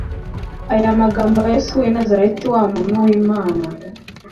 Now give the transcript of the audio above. aya magambo Yesu w i Nazareti wa muntu Imana